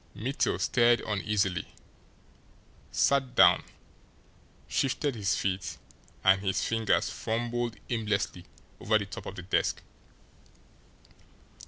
Mittel stirred uneasily, sat down, shifted his feet, and his fingers fumbled aimlessly over the top of the desk.